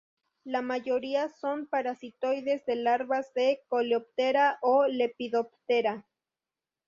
La mayoría son parasitoides de larvas de Coleoptera o Lepidoptera.